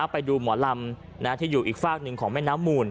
ไปดูหมอลำที่อยู่อีกฝากหนึ่งของแม่น้ำมูล